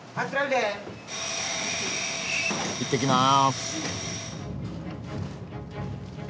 いってきます。